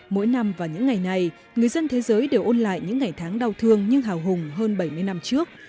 mỗi năm vào những ngày này người dân thế giới đều ôn lại những ngày tháng đau thương nhưng hào hùng hơn bảy mươi năm trước